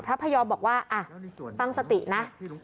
พระพระยอมบอกว่าอ่ะตั้งสตินะ